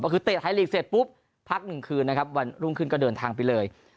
ก็คือเตะไทยลีกเสร็จปุ๊บพักหนึ่งคืนนะครับวันรุ่งขึ้นก็เดินทางไปเลย